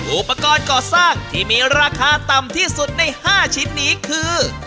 อุปกรณ์ก่อสร้างที่มีราคาต่ำที่สุดใน๕ชิ้นนี้คือ